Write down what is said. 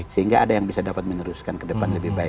sehingga ada yang bisa dapat meneruskan ke depan lebih baik